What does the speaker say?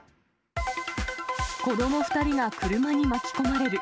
子ども２人が車に巻き込まれる。